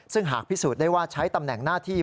ซึ่งหากพิสูจน์ได้ว่าใช้ตำแหน่งหน้าที่